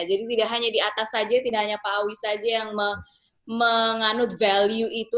jadi tidak hanya di atas saja tidak hanya pak awi saja yang menganut